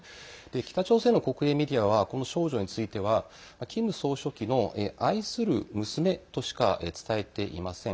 北朝鮮の国営メディアはこの少女についてはキム総書記の愛する娘としか伝えていません。